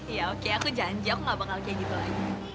iya oke aku janji aku gak bakal kayak gitu lagi